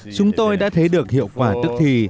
chúng tôi đã thấy được hiệu quả tức thì